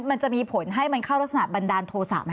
มันจะมีผลให้มันเข้ารักษณะบันดาลโทษะ